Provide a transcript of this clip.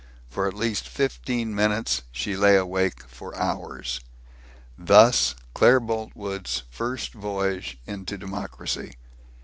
For at least fifteen minutes she lay awake for hours. Thus Claire Boltwood's first voyage into democracy.